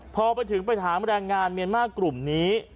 พอไปถึงไปถามแรงงานเมียนมาร์กลุ่มนี้